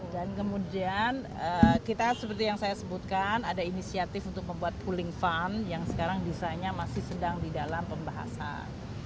dan kemudian kita seperti yang saya sebutkan ada inisiatif untuk membuat pooling fund yang sekarang biasanya masih sedang di dalam pembahasan